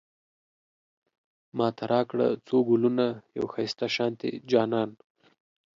ماته راکړه څو ګلونه، يو ښايسته شانتی جانان